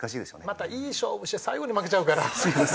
またいい勝負して最後に負けちゃうから。